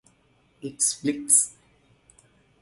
It's Blitz!